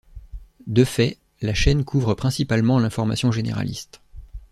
De fait, la chaîne couvre principalement l'information généraliste.